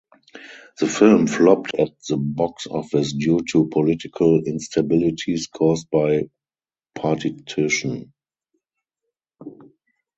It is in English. The film flopped at the box office due to political instabilities caused by partition.